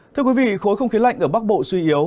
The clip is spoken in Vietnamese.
thưa quý vị khối không khí lạnh ở bắc bộ suy yếu